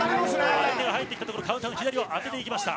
相手が入ってきたところカウンター当てました。